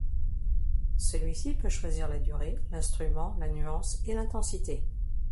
Celui-ci peut choisir la durée, l'instrument, la nuance et l'intensité.